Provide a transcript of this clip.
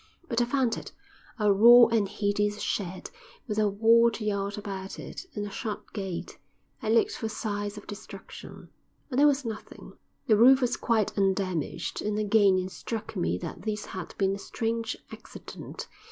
But I found it; a raw and hideous shed with a walled yard about it, and a shut gate. I looked for signs of destruction, but there was nothing. The roof was quite undamaged; and again it struck me that this had been a strange accident.